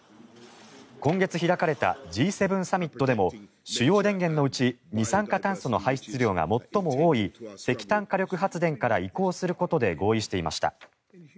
今月開かれたＧ７サミットでも主要電源のうち二酸化炭素の排出量が最も多い石炭火力発電所から移行することで合意していました。